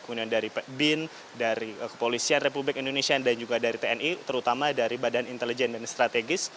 kemudian dari bin dari kepolisian republik indonesia dan juga dari tni terutama dari badan intelijen dan strategis